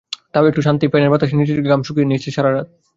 তাও একটু শান্তি, ফ্যানের বাতাসে নিজের ঘাম শুকিয়ে নিয়েছি সারা রাত।